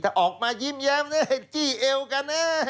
ออกมายิ้มแย้มจี้เอวกัน